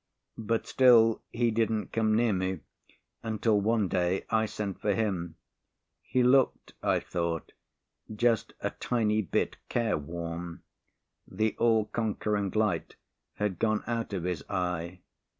But still he didn't come near me, until one day I sent for him. He looked, I thought, just a tiny bit care worn. The all conquering light had gone out of his eye.